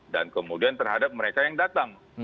dan kemudian terhadap mereka yang datang